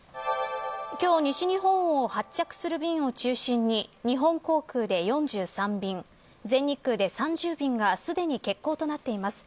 今日、西日本を発着する便を中心に日本航空で４３便全日空で３０便がすでに欠航となっています。